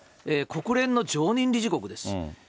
国連の常任理事国です。